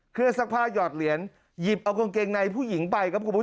เครื่องซักผ้าหยอดเหรียญหยิบเอากางเกงในผู้หญิงไป